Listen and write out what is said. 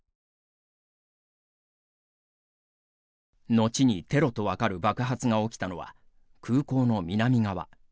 後にテロと分かる爆発が起きたのは空港の南側。